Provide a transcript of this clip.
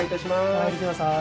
お入りください